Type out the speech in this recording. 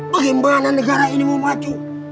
bagaimana negara ini mau maju